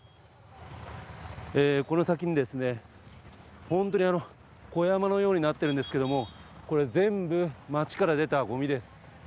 この先に、本当に小山のようになっているんですけれども、これ、全部、街から出たごみです。